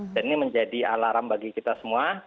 dan ini menjadi alarm bagi kita semua